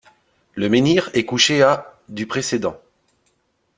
Le menhir est couché à du précédent.